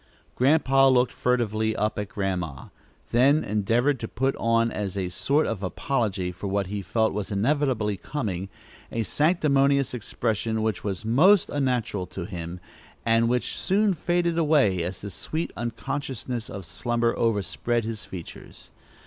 Grandpa looked furtively up at Grandma, then endeavored to put on as a sort of apology for what he felt was inevitably coming, a sanctimonious expression which was most unnatural to him, and which soon faded away as the sweet unconsciousness of slumber overspread his features.